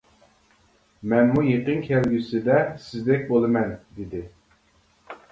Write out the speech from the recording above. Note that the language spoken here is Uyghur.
مەنمۇ يېقىن كەلگۈسىدە سىزدەك بولىمەن، — دېدى.